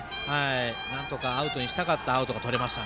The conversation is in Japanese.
なんとかアウトにしたかったアウトがとれました。